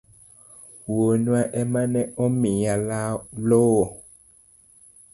Wuonwa ema ne omiya lowo.